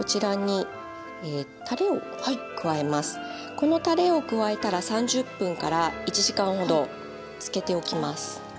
このたれを加えたら３０分１時間ほど漬けておきます。